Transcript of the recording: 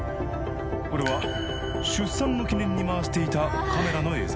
これは出産の記念に回していたカメラの映像